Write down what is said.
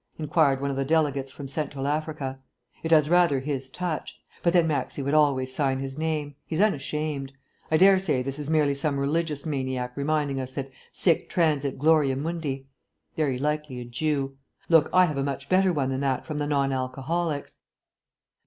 inquired one of the delegates from Central Africa. "It has rather his touch. But then Maxse would always sign his name. He's unashamed.... I dare say this is merely some religious maniac reminding us that sic transit gloria mundi. Very likely a Jew.... Look, I have a much better one than that from the Non Alcoholics...."